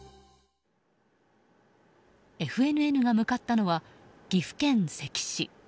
ＦＮＮが向かったのは岐阜県関市。